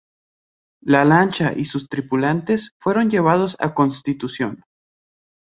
La lancha y sus tripulantes fueron llevados a Constitución.